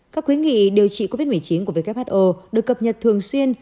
các quyến nghị điều trị covid một mươi chín của who được cập nhật thường xuyên